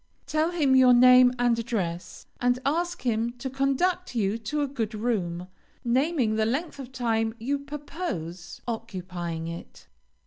Tell him your name and address, and ask him to conduct you to a good room, naming the length of time you purpose occupying it.